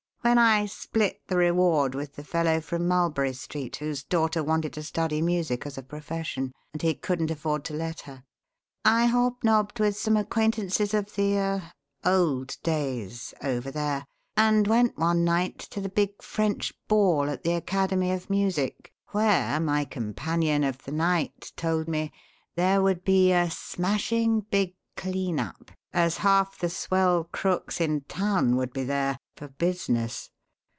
When I 'split' the reward with the fellow from Mulberry Street, whose daughter wanted to study music as a profession and he couldn't afford to let her. I hobnobbed with some acquaintances of the er old days, over there, and went one night to the big French Ball at the Academy of Music, where, my companion of the night told me, there would be 'a smashing big clean up, as half the swell crooks in town would be there for business.'